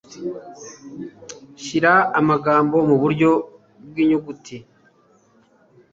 Shyira amagambo muburyo bw'inyuguti.